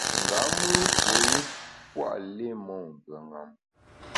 Nga mùn puo i pua’ li mon mvùeṅam.